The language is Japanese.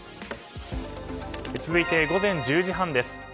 続いて午前１０時半です。